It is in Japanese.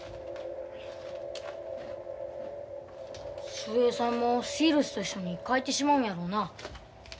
秀平さんもシールスと一緒に帰ってしまうんやろな。